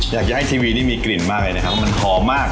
อยากจะให้ทีวีนี่มีกลิ่นมากเลยนะครับมันหอมมาก